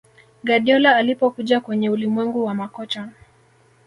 Guardiola alipokuja kwenye ulimwengu wa makocha